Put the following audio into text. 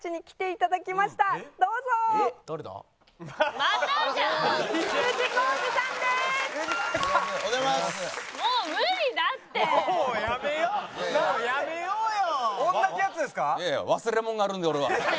いやいや忘れ物があるんで俺は。